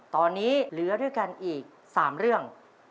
ตอนนี้เหลือด้วยกันอีก๓เรื่อง